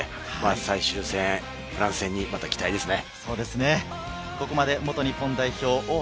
最終戦、フランス戦に期待ですね。